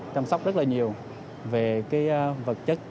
chăm sóc rất là nhiều về vật chất